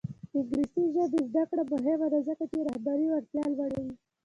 د انګلیسي ژبې زده کړه مهمه ده ځکه چې رهبري وړتیا لوړوي.